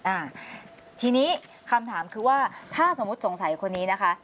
อ่าทีนี้คำถามคือว่าถ้าสมมุติสงสัยคนนี้นะคะ